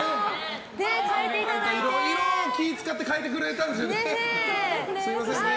気を使って変えてくれたんですよね。